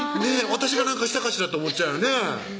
私が何かしたかしらと思っちゃうよねぇ